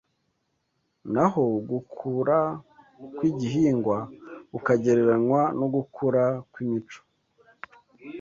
naho gukura kw’igihingwa kukagereranywa no gukura kw’imico